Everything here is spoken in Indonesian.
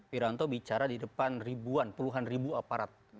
wiranto bicara di depan ribuan puluhan ribu aparat